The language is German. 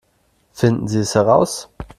Finden Sie es heraus!